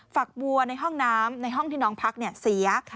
ฝักบัวในห้องน้ำในห้องที่น้องพักเสีย